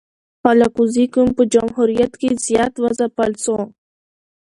الکوزي قوم په جمهوریت کی زیات و ځپل سو